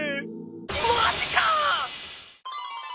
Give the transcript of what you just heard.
マジか！